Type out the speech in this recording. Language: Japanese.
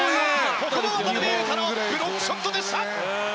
この渡邊雄太のブロックショットでした！